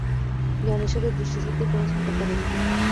জ্ঞানের সাথে দৃষ্টিশক্তির কোনো সম্পর্ক নেই।